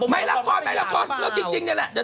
ไม่ละครแล้วจริงนี่แหละ